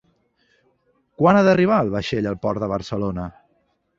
Quan ha d'arribar el vaixell al Port de Barcelona?